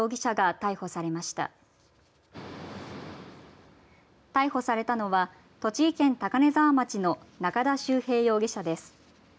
逮捕されたのは栃木県高根沢町の中田秀平容疑者です。